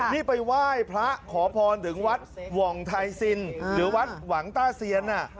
นี่ไปไหว้พระขอพรถึงวัดหว่องไทซินหรือวัดหวังต้าเซียน